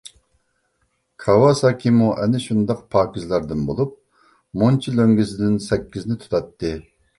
كاۋاساكىمۇ ئەنە شۇنداق پاكىزلاردىن بولۇپ، مۇنچا لۆڭگىسىدىن سەككىزنى تۇتاتتى.